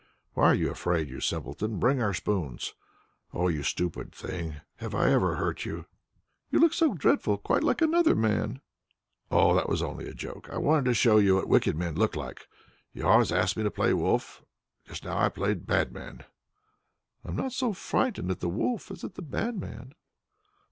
"Why are you afraid, you simpleton? Bring our spoons. Oh, you stupid thing! Have I ever hurt you?" "You looked so dreadful quite like another man." "Oh, that was only a joke. I wanted to show you what wicked men look like. You always ask me to play 'wolf'; just now I played 'bad man.'" "I am not so frightened at the wolf as at the bad man."